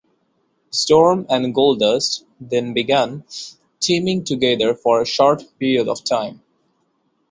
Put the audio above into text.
Storm and Goldust then began teaming together for a short period of time.